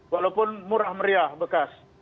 walaupun murah meriah bekas